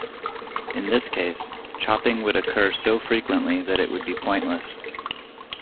In this case, chopping would occur so frequently that it would be pointless.